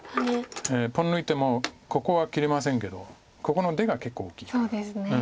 ポン抜いてもここは切れませんけどここの出が結構大きいですから。